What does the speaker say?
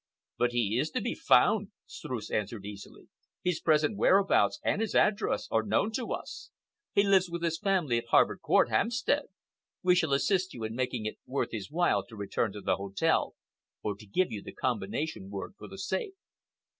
"But he is to be found," Streuss answered easily. "His present whereabouts and his address are known to us. He lives with his family at Harvard Court, Hampstead. We shall assist you in making it worth his while to return to the hotel or to give you the combination word for the safe."